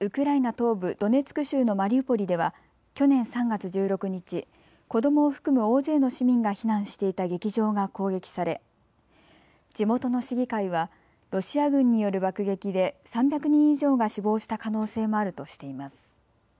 東部ドネツク州のマリウポリでは去年３月１６日、子どもを含む大勢の市民が避難していた劇場が攻撃され地元の市議会はロシア軍による爆撃で３００人以上が死亡した可能性もあるとしています。